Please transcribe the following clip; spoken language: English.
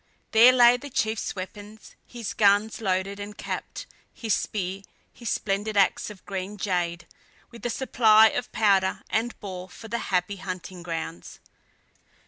There lay the chief's weapons, his guns loaded and capped, his spear, his splendid ax of green jade, with a supply of powder and ball for the happy hunting grounds.